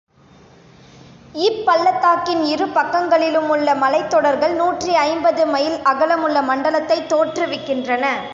இப்பள்ளத்தாக்கின் இரு பக்கங்களிலுமுள்ள மலைத்தொடர்கள் நூற்றி ஐம்பது மைல் அகலமுள்ள மண்டலத்தைத் தோற்றுவிக்கின்றன.